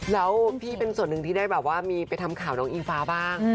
แล้วพี่เป็นส่วนหนึ่งที่ได้แบบว่ามีไปทำข่าวน้องอิงฟ้าบ้าง